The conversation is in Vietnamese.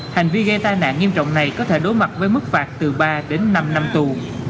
hành vi gây tai nạn nghiêm trọng này có thể đối mặt với mức phạt từ ba đến năm năm tù